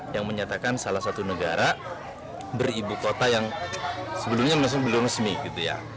yang menyatakan salah satu negara beribu kota yang sebelumnya masih belum resmi gitu ya